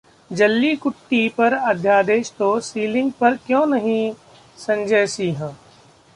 जल्लीकुट्टी पर अध्यादेश तो सीलिंग पर क्यों नहीं: संजय सिंह